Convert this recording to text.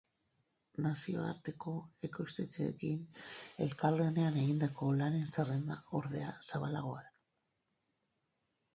Nazioarteko ekoiztetxeekin elkarlanean egindako lanen zerrenda, ordea, zabalagoa da.